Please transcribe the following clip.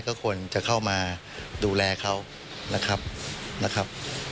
ก็ควรจะเข้ามาดูแลเขานะครับนะครับ